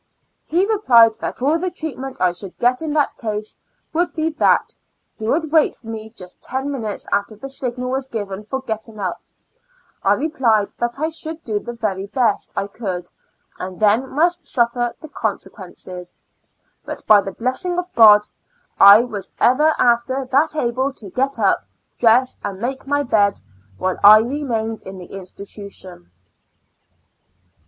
He replied that all the treatment I should get in that case, would be that he would wait for me just ten minutes after the signal was given for getting up. I replied that I should do the very best I could, and then must suffer the conse IK A Lunatic Asylum, 123 quences. But by the blessing of God, I was ever after that able to get up, dress and make my bed, while I remained in the institution.